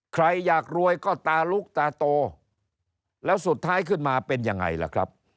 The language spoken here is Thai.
ใครอยากรวยก็ตาลุกตาโตแล้วสุดท้ายขึ้นมาเป็นยังไงล่ะครับ